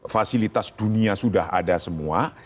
fasilitas dunia sudah ada semua